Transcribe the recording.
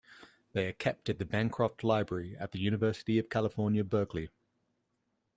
They are kept at the Bancroft Library at the University of California, Berkeley.